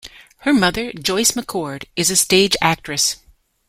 Her mother, Joyce McCord, is a stage actress.